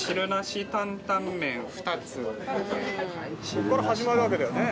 ここから始まるわけだよね。